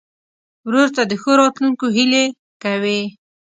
ورور ته د ښو راتلونکو هیلې کوې.